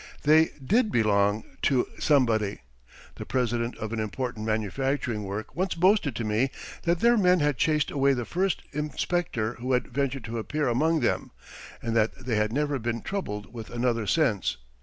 They did belong to somebody. The president of an important manufacturing work once boasted to me that their men had chased away the first inspector who had ventured to appear among them, and that they had never been troubled with another since.